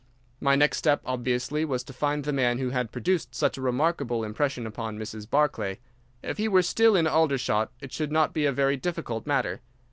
My next step obviously was to find the man who had produced such a remarkable impression upon Mrs. Barclay. If he were still in Aldershot it should not be a very difficult matter.